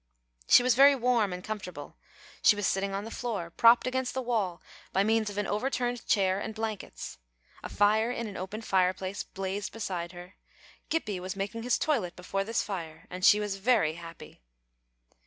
She was very warm and comfortable; she was sitting on the floor, propped against the wall by means of an overturned chair and blankets; a fire in an open fireplace blazed beside her; Gippie was making his toilet before this fire, and she was very happy.